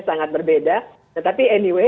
sangat berbeda tetapi anyway